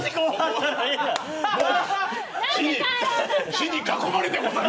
火に囲まれておる。